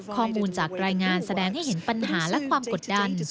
ข้อมูลจากรายงานแสดงให้เห็นปัญหาและความกดดัน